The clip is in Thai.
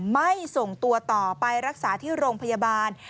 ไม่ส่งตัวต่อไปรักษาที่โรงพยาบาล